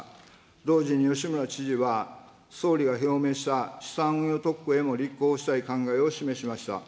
同時に吉村知事は、総理が表明した資産運用特区へも立候補したい考えを示しました。